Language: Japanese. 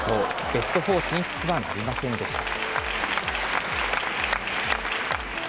ベストフォー進出はなりませんでした。